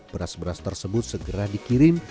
beras beras tersebut segera dikirim